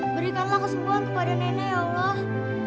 berikanlah kesembuhan kepada nenek allah